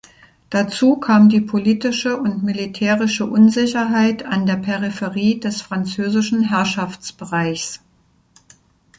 Dazu kam die politische und militärische Unsicherheit an der Peripherie des französischen Herrschaftsbereichs.